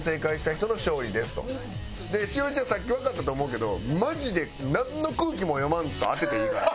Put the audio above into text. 栞里ちゃんさっきわかったと思うけどマジでなんの空気も読まんと当てていいから。